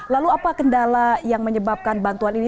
lalu apa kendala yang menyebabkan bantuan ini